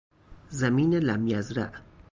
زمین لمیزرع